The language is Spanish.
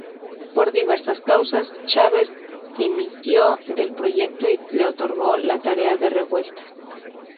Por diversas causas, Chávez dimitió del proyecto y le otorgó la tarea a Revueltas.